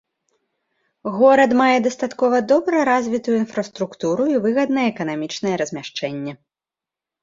Горад мае дастаткова добра развітую інфраструктуру і выгаднае эканамічнае размяшчэнне.